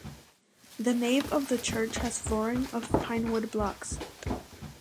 The nave of the church has flooring of pine wood blocks.